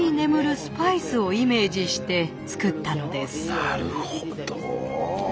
なるほど。